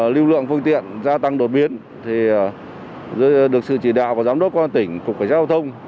lưu lượng phương tiện gia tăng đột biến thì được sự chỉ đạo của giám đốc công an tỉnh cục cảnh sát giao thông